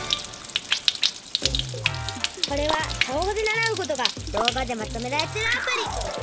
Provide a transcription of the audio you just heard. これは小５で習うことが動画でまとめられてるアプリ。